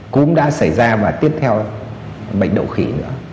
cũng đã xảy ra và tiếp theo bệnh đậu khỉ nữa